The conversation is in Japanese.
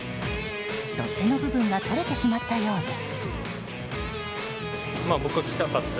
取っ手の部分が取れてしまったようです。